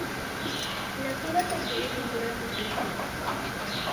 La cueva contiene pinturas rupestres.